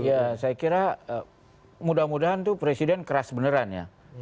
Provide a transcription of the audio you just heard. ya saya kira mudah mudahan itu presiden keras beneran ya